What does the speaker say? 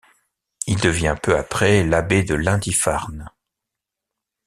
Il devient peu après l'abbé de Lindisfarne.